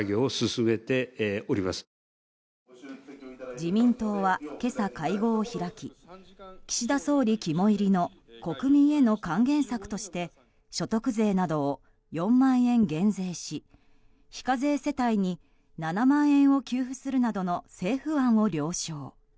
自民党は今朝、会合を開き岸田総理肝煎りの国民への還元策として所得税などを４万円減税し非課税世帯に７万円を給付するなどの政府案を了承。